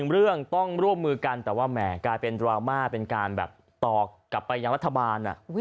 เรื่องต้องร่วมมือกันแต่ว่าแหมกลายเป็นดราม่าเป็นการแบบตอบกลับไปยังรัฐบาล